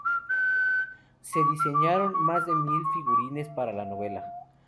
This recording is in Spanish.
Se diseñaron más de mil figurines para la novela.